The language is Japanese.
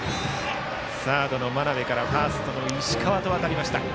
サードの眞邉からファーストの石川とわたりました。